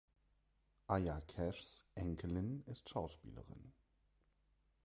Aya Cashs Enkelin ist Schauspielerin.